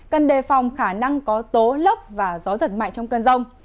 cần đề phòng khả năng có tố lấp và gió giật mạnh trong cơn giông